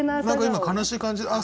何か今悲しい感じ